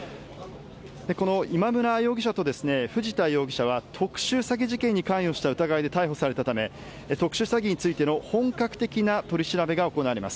今村容疑者と藤田容疑者は特殊詐欺事件に関与した疑いで逮捕されたため特殊詐欺についての本格的な取り調べが行われます。